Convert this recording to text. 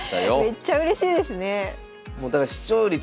めっちゃうれしいですね。